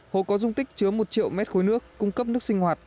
hồ có dung tích chứa một triệu mét khối nước cung cấp nước sinh hoạt